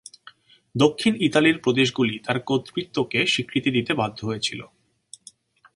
দক্ষিণ ইতালির প্রদেশগুলি তার কর্তৃত্বকে স্বীকৃতি দিতে বাধ্য হয়েছিল।